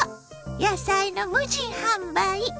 野菜の無人販売。